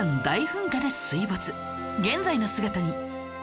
大噴火で水没現在の姿に